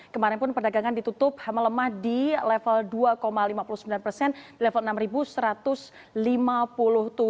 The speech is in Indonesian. kemarin pun perdagangan ditutup melemah di level dua lima puluh sembilan persen di level rp enam satu ratus lima puluh tujuh